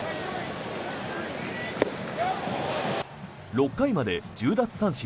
６回まで１０奪三振